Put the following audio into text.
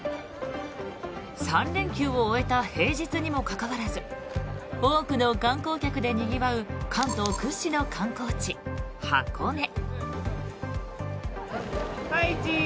３連休を終えた平日にもかかわらず多くの観光客でにぎわう関東屈指の観光地、箱根。